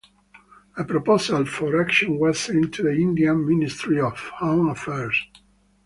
A proposal for action was sent to the Indian Ministry of Home Affairs.